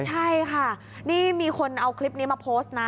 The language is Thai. ใช่ค่ะนี่มีคนเอาคลิปนี้มาโพสต์นะ